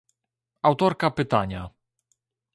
autorka pytania